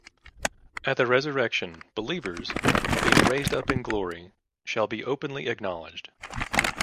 At the resurrection, believers, being raised up in glory, shall be openly acknowledged